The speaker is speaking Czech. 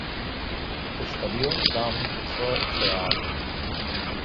Je to stadion známý po celé Oceánii.